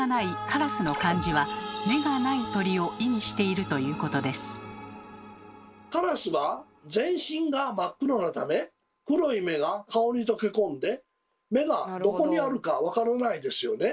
カラスは全身が真っ黒なため黒い目が顔に溶け込んで目がどこにあるか分からないですよね？